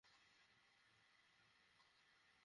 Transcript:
তারপর প্রত্যেকটি পাখির নাম ধরে আল্লাহর নামে ডাকতে বলেন।